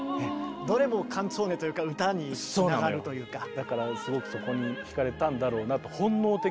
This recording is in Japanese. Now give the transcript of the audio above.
どれもだからすごくそこにひかれたんだろうなと。